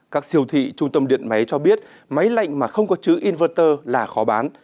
các siêu thị trung tâm điện máy cho biết máy lạnh mà không có chữ inverter là khó bán